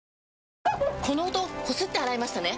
この音こすって洗いましたね？